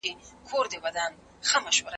د ديني اصولو کمزوری د انحطاط لامل دی.